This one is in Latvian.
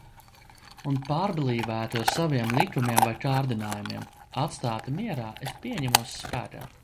Un pārblīvētu ar saviem likumiem vai kārdinājumiem. Atstāta mierā, es pieņemos spēkā.